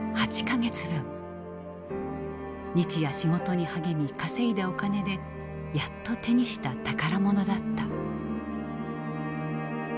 日夜仕事に励み稼いだお金でやっと手にした宝物だった。